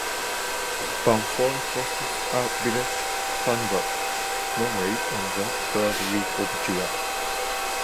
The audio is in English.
Bamford hosts a village carnival, normally on the third week of July.